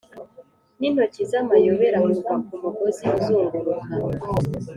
nintoki zamayobera kuva kumugozi uzunguruka